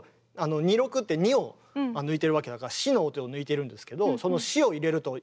「二六」って２音抜いてるわけだから「シ」の音を抜いてるんですけどその「シ」を入れると途端に。